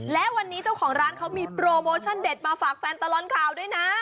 และวันนี้เจ้าของร้านเขามีโปรโมชั่นเด็ดมาฝากแฟนตลอดข่าวด้วยนะ